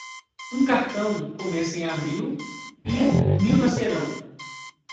Um cartão começa em abril e mil nascerão.